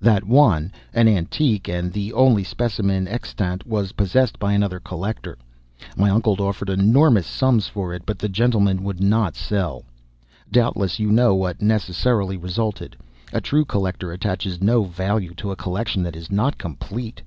That one an antique, and the only specimen extant was possessed by another collector. My uncle offered enormous sums for it, but the gentleman would not sell. Doubtless you know what necessarily resulted. A true collector attaches no value to a collection that is not complete.